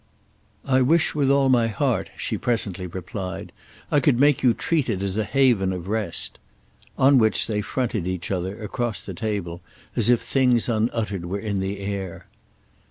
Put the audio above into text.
"I wish with all my heart," she presently replied, "I could make you treat it as a haven of rest." On which they fronted each other, across the table, as if things unuttered were in the air.